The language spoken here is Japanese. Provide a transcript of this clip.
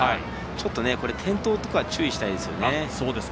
ちょっと転倒とか注意したいです。